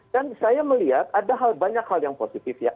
dan saya melihat ada hal banyak hal yang positif ya